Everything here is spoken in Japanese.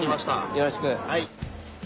よろしく！